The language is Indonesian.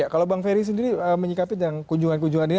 kalau bang ferry sendiri menyikapi tentang kunjungan kunjungan ini